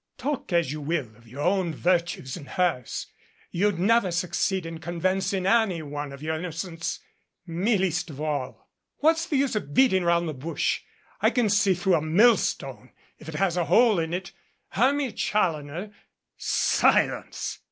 Talk as you will of your own virtues and hers you'd never succeed in convincing anyone of your innocence me least of all. What's the use of beat ing around the bush. I can see through a millstone if it has a hole in it. Hermia Challoner " "Silence!"